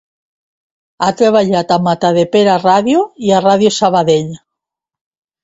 Ha treballat a Matadepera Ràdio i a Ràdio Sabadell.